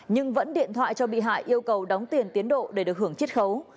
nhưng vẫn điện thoại cho bị hại yêu cầu đóng tiền tiến độ để được hưởng triết khấu